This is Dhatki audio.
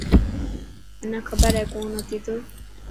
منا کبر هي ڪونه هتي ته.